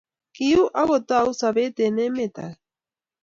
Kiuu akutou sobet eng' emet age.